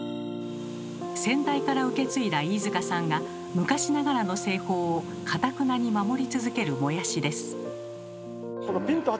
先代から受け継いだ飯塚さんが昔ながらの製法をかたくなに守り続けるモヤシです。